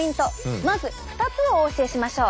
まず２つをお教えしましょう。